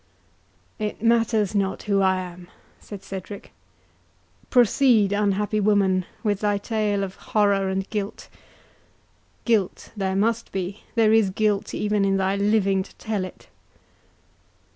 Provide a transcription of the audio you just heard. "It matters not who I am," said Cedric; "proceed, unhappy woman, with thy tale of horror and guilt!—Guilt there must be—there is guilt even in thy living to tell it."